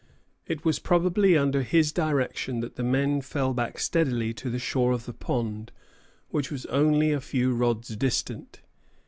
It was probably under his direction that the men fell back steadily to the shore of the pond, which was only a few rods distant.